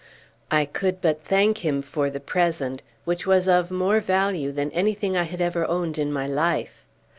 I could but thank him for the present, which was of more value than anything I had ever owned in my life.